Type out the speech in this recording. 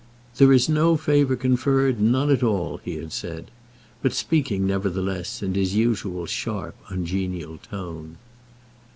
"There is no favour conferred, none at all," he had said; but speaking nevertheless in his usual sharp, ungenial tone.